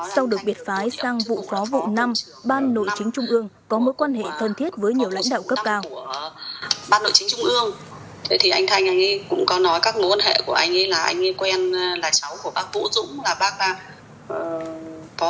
sau được biệt phái sang vụ khó vụ năm ban nội chính trung ương có mối quan hệ thân thiết với nhiều lãnh đạo cấp cao